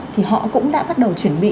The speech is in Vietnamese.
thì họ cũng đã bắt đầu chuẩn bị